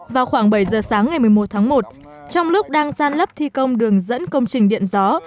vào khoảng bảy giờ sáng ngày một mươi một tháng một trong lúc đang san lấp thi công đường dẫn công trình điện gió